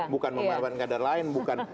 bukan memahami kader lain